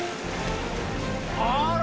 あら！